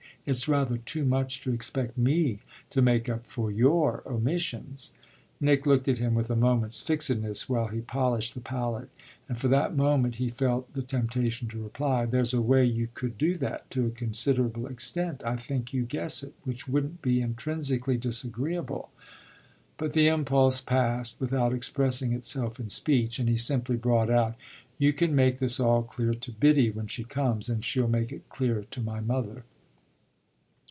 "It's rather too much to expect me to make up for your omissions!" Nick looked at him with a moment's fixedness while he polished the palette; and for that moment he felt the temptation to reply: "There's a way you could do that, to a considerable extent I think you guess it which wouldn't be intrinsically disagreeable." But the impulse passed without expressing itself in speech, and he simply brought out; "You can make this all clear to Biddy when she comes, and she'll make it clear to my mother."